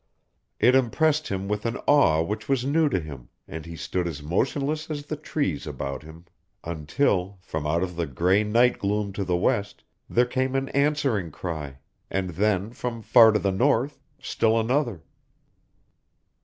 It impressed him with an awe which was new to him and he stood as motionless as the trees about him until, from out the gray night gloom to the west, there came an answering cry, and then, from far to the north, still another.